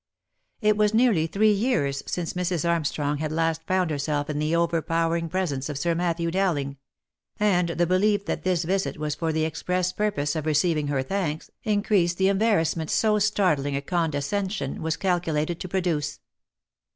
It was nearly three years since Mrs. Armstrong had last found herself in the overpowering presence of Sir Matthew Dowling ; and the belief that this visit was for the express purpose of receiving her thanks, increased the embarrass ment so startling a condescension was calculated to produce.